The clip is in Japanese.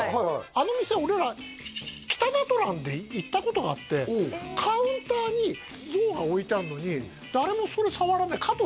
あの店俺ら「きたなトラン」で行ったことがあってカウンターに像が置いてあんのに誰もそれ触らない加藤